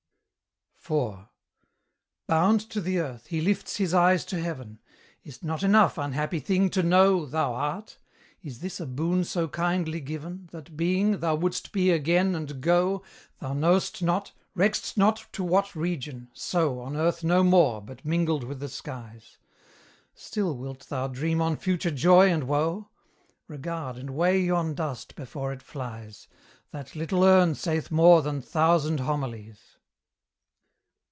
IV. Bound to the earth, he lifts his eyes to heaven Is't not enough, unhappy thing, to know Thou art? Is this a boon so kindly given, That being, thou wouldst be again, and go, Thou know'st not, reck'st not to what region, so On earth no more, but mingled with the skies! Still wilt thou dream on future joy and woe? Regard and weigh yon dust before it flies: That little urn saith more than thousand homilies.